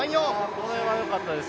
これはよかったです。